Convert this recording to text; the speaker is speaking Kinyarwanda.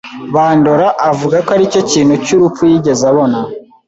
Bandora avuga ko aricyo kintu cyubupfu yigeze abona.